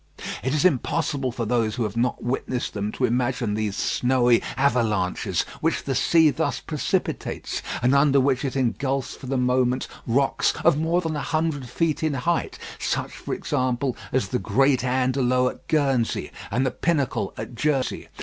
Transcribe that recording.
It is impossible for those who have not witnessed them to imagine those snowy avalanches which the sea thus precipitates, and under which it engulfs for the moment rocks of more than a hundred feet in height, such, for example, as the Great Anderlo at Guernsey, and the Pinnacle at Jersey.